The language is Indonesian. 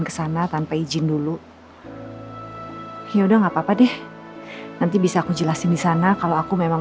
ke sana tanpa izin dulu ya udah nggak papa deh nanti bisa aku jelasin di sana kalau aku memang